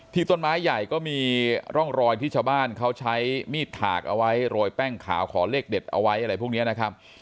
ต้นไม้ใหญ่ก็มีร่องรอยที่ชาวบ้านเขาใช้มีดถากเอาไว้โรยแป้งขาวขอเลขเด็ดเอาไว้อะไรพวกนี้นะครับ